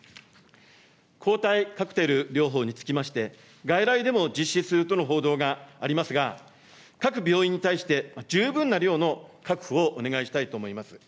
抗体カクテル療法につきまして、外来でも実施するとの報道がありますが、各病院に対して十分な量の確保をお願いしたいと思います。